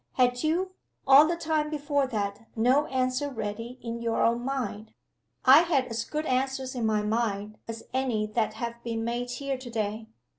Had you, all the time before that, no answer ready in your own mind?" "I had as good answers in my mind as any that have been made here to day."